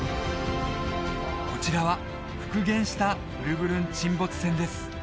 こちらは復元したウルブルン沈没船です